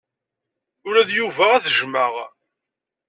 Ula d Yuba ad t-jjmeɣ.